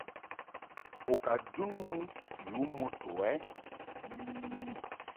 U ka jun mɨ yu moto ɛ ?